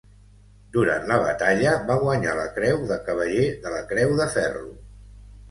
Durant la batalla va guanyar la Creu de Cavaller de la Creu de Ferro.